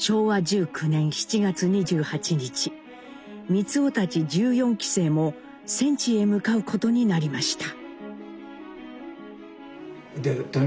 光男たち１４期生も戦地へ向かうことになりました。